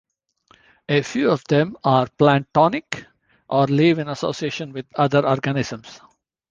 A few of them are planktonic or live in association with other organisms.